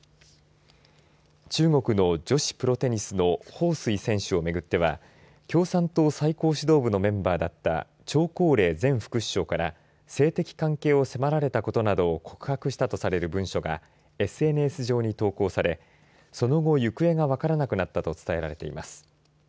中国の女子プロテニスの彭帥選手をめぐっては共産党最高指導部のメンバーだった張高麗前副首相から性的関係を迫られたことなどを告白したとされる文書がＳＮＳ上に投稿されその後、行方が分からなくなったと伝えられています。